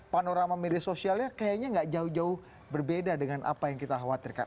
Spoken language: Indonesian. panorama media sosialnya kayaknya nggak jauh jauh berbeda dengan apa yang kita khawatirkan